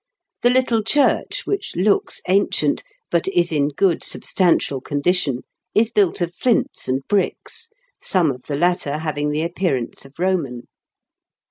Tbe little cburcb, wbicb looks ancient, but is in good substantial condition, is built of flints and bricks, some of tbe latter baving tbe appearance of Koman.